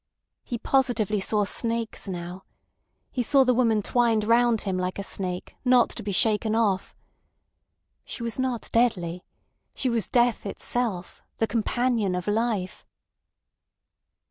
He positively saw snakes now. He saw the woman twined round him like a snake, not to be shaken off. She was not deadly. She was death itself—the companion of life.